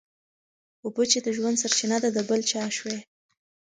اوبه چي د ژوند سرچینه ده د بل چا شوې.